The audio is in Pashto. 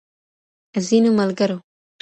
ځينو ملګرو